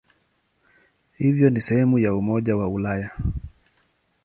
Hivyo ni sehemu ya Umoja wa Ulaya.